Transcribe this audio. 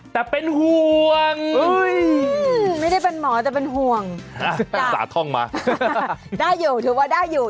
แต่เป็นห่วงไม่ได้เป็นหมอแต่เป็นห่วงรักษาท่องมาได้อยู่ถือว่าได้อยู่